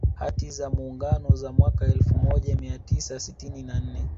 Hati za Muungano za mwaka elfu mojaia Tisa sitini na nne